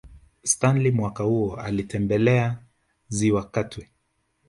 Stanley mwaka huo alitembelea Ziwa Katwe